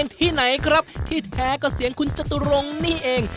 ที่ไหนครับที่แท้ก็เสียงคุณจตุรงค์นี่เอง